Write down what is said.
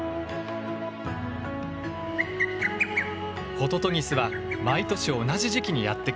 ホトトギスは毎年同じ時期にやって来る。